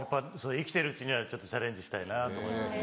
生きてるうちにはちょっとチャレンジしたいなと思います。